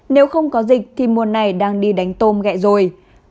nếu không có dịch thì mùa này đang đi đánh dịch